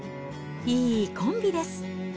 いいコンビです。